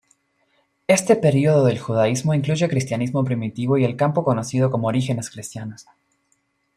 Este periodo del Judaísmo incluye cristianismo primitivo y el campo conocido como "Orígenes cristianos.